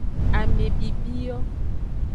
Ame bibi yo.